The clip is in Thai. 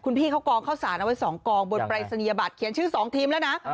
คุณพี่เขากองเข้าสารเอาไว้สองกองบนไปรษณียบัตรเขียนชื่อสองทีมแล้วนะ